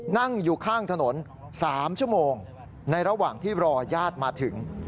นั่งอยู่ข้างถนน๓ชั่วโมงในระหว่างที่รอญาติมาถึง